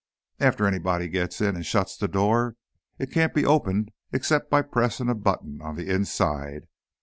After anybody gets in, and shuts the door, it can't be opened except by pressing a button on the inside.